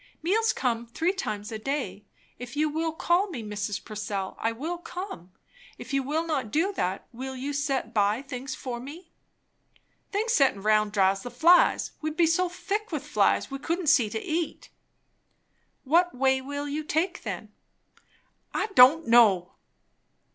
"Meals come three times a day. If you will call me, Mrs. Purcell, I will come. If you will not do that, will you set by things for me?" "Things settin' round draws the flies. We'd be so thick with flies, we couldn't see to eat." "What way will you take, then?" "I don' know!"